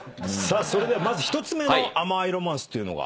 それではまず１つ目のあまいロマンスっていうのが。